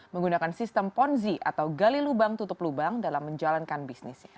menggunakan sistem ponzi atau gali lubang tutup lubang dalam menjalankan bisnisnya